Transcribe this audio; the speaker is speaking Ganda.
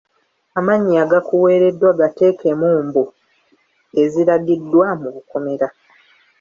Amannya agakuweereddwa gateeke mu mbu eziragiddwa mu bukomera.